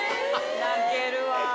泣けるわー。